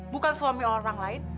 bukan suami orang lain